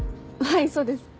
はいそうです。